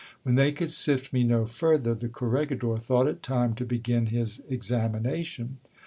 When they could sift me no further, the corregidor thought it time to begin his examination.